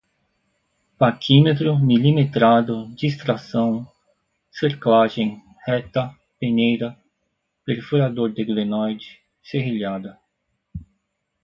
paquímetro, milimetrado, distração, cerclagem, reta, peneira, perfurador de glenoide, serrilhada